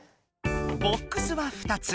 ボックスは２つ。